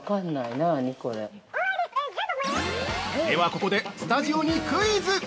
では、ここでスタジオにクイズ。